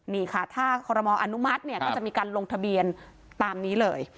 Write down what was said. นี่ค่ะถ้าคอรมออนุมัติเนี่ยก็จะมีการลงทะเบียนตามนี้เลย